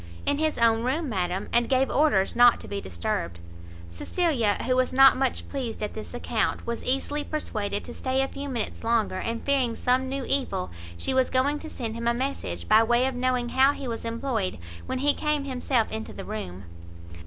"In his own room, madam, and gave orders not to be disturbed." Cecilia, who was not much pleased at this account, was easily persuaded to stay a few minutes longer; and, fearing some new evil, she was going to send him a message, by way of knowing how he was employed, when he came himself into the room.